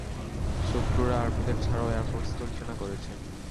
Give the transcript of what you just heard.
শত্রুরা আর্মিদের ছাড়াও এয়ারফোর্সকেও নিশানা করেছে!